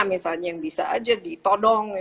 misalnya yang bisa aja ditodong